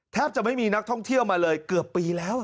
แทบจะไม่มีนักท่องเที่ยวมาเลยเกือบปีแล้ว